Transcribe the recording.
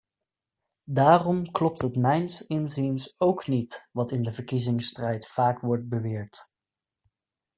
Daarom klopt het mijns inziens ook niet wat in de verkiezingsstrijd vaak wordt beweerd.